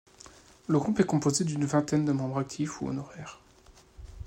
Le groupe est composé d'une vingtaine de membres actifs ou honoraires.